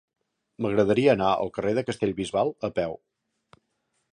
M'agradaria anar al carrer de Castellbisbal a peu.